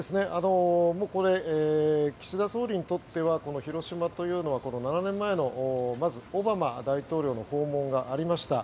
岸田総理にとっては広島というのは７年前のまずオバマ大統領の訪問がありました。